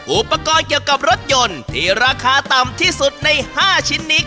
อุปกรณ์เกี่ยวกับรถยนต์ที่ราคาต่ำที่สุดใน๕ชิ้นนี้